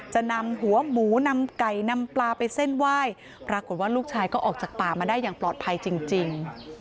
จะนำหัวหมูนำไก่นำปลาไปเส้นไหว้ปรากฏว่าลูกชายก็ออกจากป่ามาได้อย่างปลอดภัยจริง